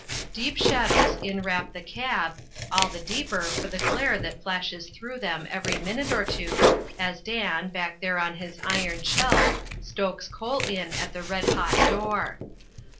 Deep shadows inwrap the cab, all the deeper for the glare that flashes through them every minute or two as Dan, back there on his iron shelf, stokes coal in at the red hot door.